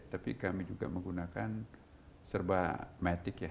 tapi kami juga menggunakan serba metik ya